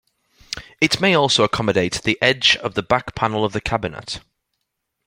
It may also accommodate the edge of the back panel of a cabinet.